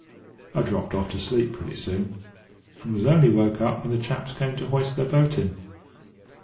"I dropped off to sleep pretty soon, and was only woke up when the chaps came to hoist their boat in.